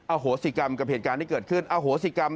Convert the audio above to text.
โหสิกรรมกับเหตุการณ์ที่เกิดขึ้นอโหสิกรรม